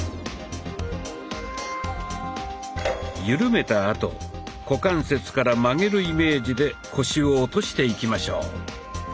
ゆるめたあと股関節から曲げるイメージで腰を落としていきましょう。